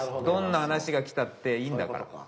どんな話が来たっていいんだから。